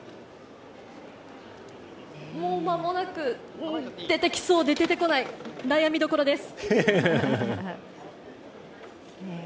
もう間もなく出てきそうで、出てこない、悩みどころです。